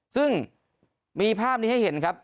ซึ่งมีภาพนี้ให้เห็นครับ